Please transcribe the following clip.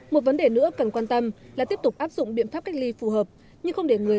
một vấn đề nữa cần quan tâm là tiếp tục áp dụng biện pháp cách ly phù hợp nhưng không để người